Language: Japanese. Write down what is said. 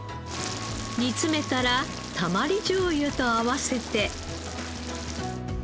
煮詰めたらたまりじょうゆと合わせて。